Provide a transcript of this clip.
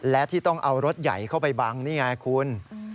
และที่ต้องเอารถใหญ่เข้าไปบังนี่ไงคุณ